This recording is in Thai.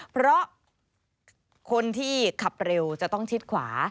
เพราะคนที่ขับเร็วจะต้องชิดขวา